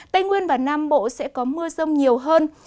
tây nguyên và nam bộ sẽ có mưa rông nhiều hơn